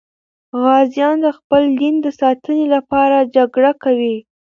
غازیان د خپل دین د ساتنې لپاره جګړه کوي.